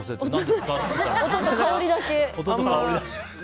音と香りだけ。